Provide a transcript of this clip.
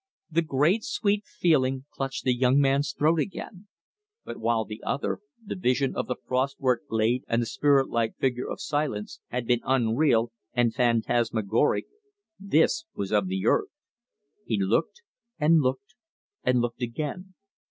The great sweet feeling clutched the young man's throat again. But while the other, the vision of the frost work glade and the spirit like figure of silence, had been unreal and phantasmagoric, this was of the earth. He looked, and looked, and looked again.